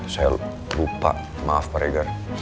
saya lupa maaf pak reger